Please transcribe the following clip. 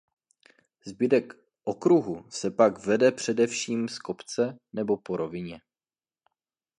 Zbytek okruhu se pak vede především z kopce nebo po rovině.